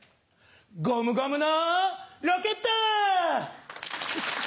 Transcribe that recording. ゴムゴムのロケット！